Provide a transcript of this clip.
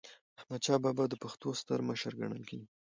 احمدشاه بابا د پښتنو ستر مشر ګڼل کېږي.